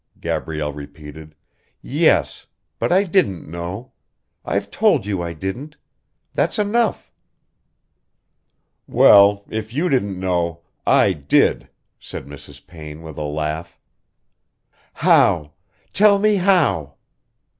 Gabrielle repeated. "Yes ... but I didn't know. I've told you I didn't. That's enough." "Well, if you didn't know, I did," said Mrs. Payne with a laugh. "How? Tell me how?"